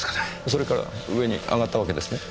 それから上にあがったわけですね？